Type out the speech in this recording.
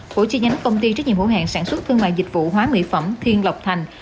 của chi nhánh công ty trách nhiệm hữu hạn sản xuất thương mại dịch vụ hóa mỹ phẩm thiên lộc thành